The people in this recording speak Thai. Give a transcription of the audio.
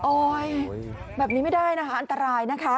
โอ๊ยแบบนี้ไม่ได้นะคะอันตรายนะครับ